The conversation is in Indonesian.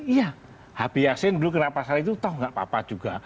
ya hb yassin dulu kenapa pasal itu tahu enggak apa apa juga